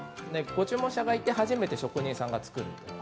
ご注文者がいて、初めて職人さんが作る。